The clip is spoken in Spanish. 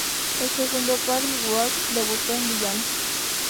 El segundo Battleworld debutó en "Beyond!